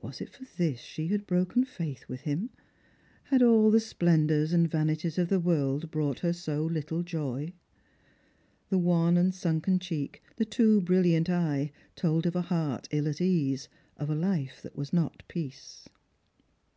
Was it for this she had broken faith with him ? Had all the splendours and vanities of the world brought her so little joy ? The wan and sunken cheek, the too brilUant eye, told of a heart ill at ease, of a life that was not peace.